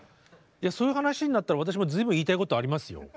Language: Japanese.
いやそういう話になったら私も随分言いたいことありますよ！